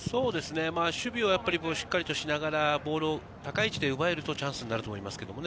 守備はしっかりとしながら、ボールを高い位置で奪えるとチャンスになると思いますけどね。